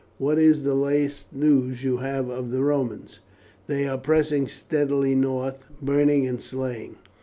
What is the last news you have of the Romans?" "They are pressing steadily north, burning and slaying.